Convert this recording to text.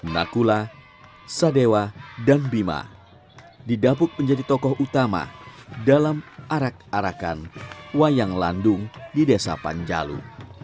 nakula sadewa dan bima didapuk menjadi tokoh utama dalam arak arakan wayang landung di desa panjalu